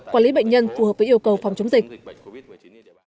quản lý bệnh nhân phù hợp với yêu cầu phòng chống dịch